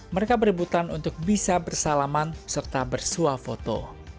mereka berebutan untuk bisa bersalaman serta bersuah foto